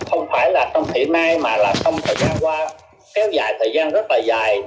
không phải là trong hiện nay mà trong thời gian qua kéo dài thời gian rất là dài